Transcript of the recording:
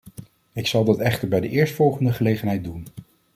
Ik zal dat echter bij de eerstvolgende gelegenheid doen.